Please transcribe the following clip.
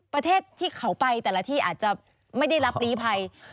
ประเทศที่เขาไปแต่ละที่อาจจะไม่ได้รับลีภัย